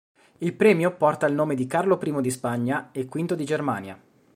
Il premio porta il nome di Carlo I di Spagna e V di Germania.